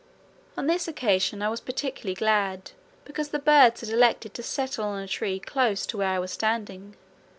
On this occasion I was particularly glad, because the birds had elected to settle on a tree close to where I was standing.